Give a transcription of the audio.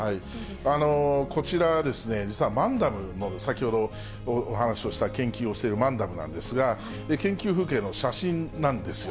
こちらはですね、実はマンダムの、先ほどお話をした、研究をしているマンダムなんですが、すごい写真。